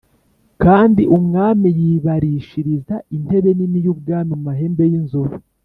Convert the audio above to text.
Kandi umwami yibārishiriza intebe nini y’ubwami mu mahembe y’inzovu